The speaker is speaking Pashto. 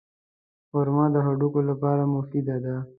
خرما د هډوکو لپاره مفیده ده.